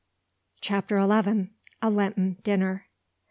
CHAPTER ELEVEN. A LENTEN DINNER.